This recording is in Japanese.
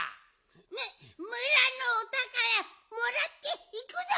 むむらのおたからもらっていくぞ。